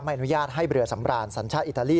อนุญาตให้เรือสำราญสัญชาติอิตาลี